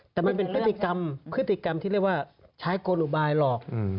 แต่มันเป็นพฤติกรรมพฤติกรรมที่เรียกว่าใช้โกลอุบายหลอก